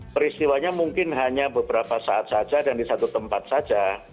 peristiwanya mungkin hanya beberapa saat saja dan di satu tempat saja